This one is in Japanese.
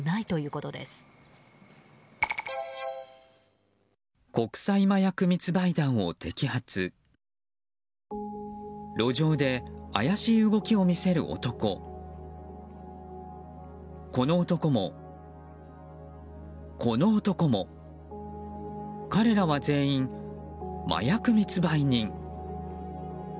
この男も、この男も彼らは全員、麻薬密売人。